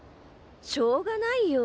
しょうがないよ。